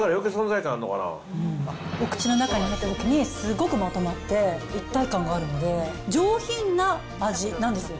お口の中に入ったときに、すごくまとまって、一体感があるので、上品な味なんですよ。